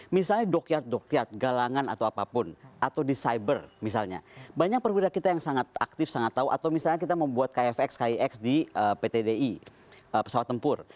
misalnya dokyat dokyat galangan atau apapun atau di cyber misalnya banyak perwira kita yang sangat aktif sangat tahu atau misalnya kita membuat kfx kix di pt di pesawat tempur